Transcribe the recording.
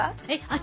私？